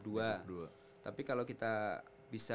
di laman rumput ini kita harus benar benar siap